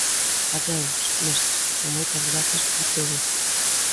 Adeus, mestre, e moitas grazas por todo.